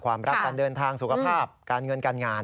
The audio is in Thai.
ความรักการเดินทางสุขภาพการเงินการงาน